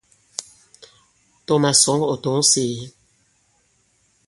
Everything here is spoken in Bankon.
Tɔ̀ màsɔ̌ŋ ɔ̀ tɔ̌ŋ sēē.